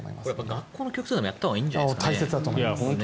学校の教育でもやったほうがいいんじゃないですかね。